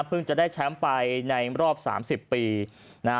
จะได้แชมป์ไปในรอบสามสิบปีนะฮะ